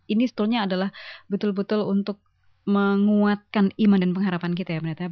ini sebetulnya adalah betul betul untuk menguatkan iman dan pengharapan kita ya